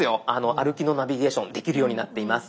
歩きのナビゲーションできるようになっています。